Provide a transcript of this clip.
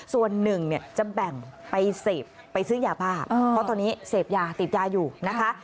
ส่วนหนึ่งเนี่ยจะแบ่งไปเสพไปซื้อยาบ้าเพราะตอนนี้เสพยาติดยาอยู่นะคะ